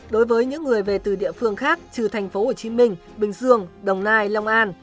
đối với những người về từ địa phương khác trừ thành phố hồ chí minh bình dương đồng nai long an